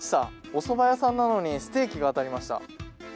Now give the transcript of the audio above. おそば屋さんなのにステーキが当たりました。